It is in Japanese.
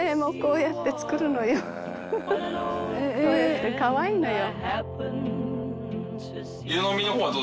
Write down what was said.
「これってかわいいのよ」